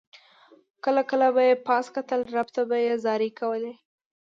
کله کله به یې پاس کتل رب ته به یې زارۍ کولې.